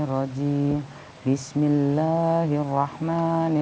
ramping badan lu darman